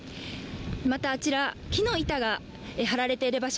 また、あちら、木の板が張られている場所